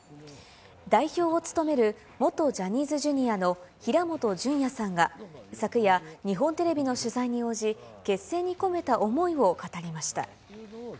代表を務める元ジャニーズＪｒ．の平本淳也さんが昨夜、日本テレビの取材に応じ、結成に込めた思いを語りました。